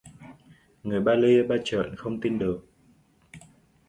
Người ba lia ba trợn không tin được